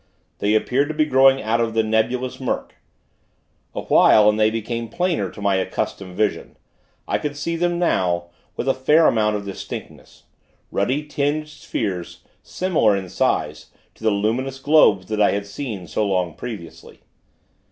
They appeared to be growing out of the nebulous murk. Awhile, and they became plainer to my accustomed vision. I could see them, now, with a fair amount of distinctness ruddy tinged spheres, similar, in size, to the luminous globes that I had seen, so long previously.